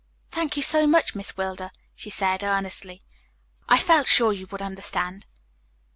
"Thank you so much, Miss Wilder," she said earnestly. "I felt sure you would understand."